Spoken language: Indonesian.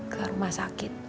ke rumah sakit